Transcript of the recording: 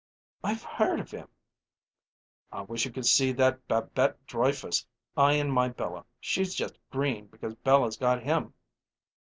"I've heard of him." "I wish you could see that Babette Dreyfous eying my Bella! She's just green because Bella's got him."